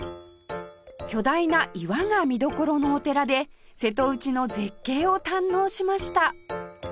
巨大な岩が見どころのお寺で瀬戸内の絶景を堪能しました